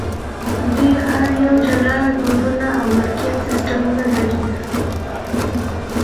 دوی هر یو جلا دودونه او مالکیت سیستمونه لري.